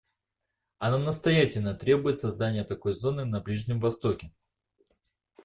Оно настоятельно требует создания такой зоны на Ближнем Востоке.